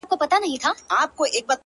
د بېوفا لفظونه راوړل!